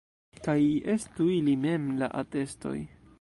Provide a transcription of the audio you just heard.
Kaj estu ili mem la atestoj.